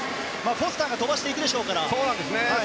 フォスターが飛ばしていくでしょう。